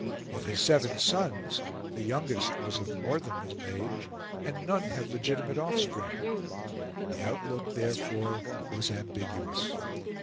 Of his seven sons, the youngest was of more than middle age, and none had legitimate offspring. The outlook, therefore, was ambiguous.